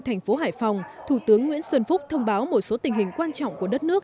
thành phố hải phòng thủ tướng nguyễn xuân phúc thông báo một số tình hình quan trọng của đất nước